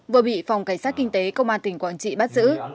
vừa bị phòng cảnh sát kinh tế công an tỉnh quảng trị bắt giữ